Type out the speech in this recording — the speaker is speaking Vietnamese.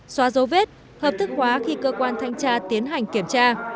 xóa dấu vết hợp thức hóa khi cơ quan thanh tra tiến hành kiểm tra